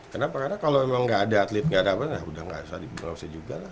kenapa karena kalau memang enggak ada atlet enggak ada apa apa ya udah enggak usah dibuka buka juga lah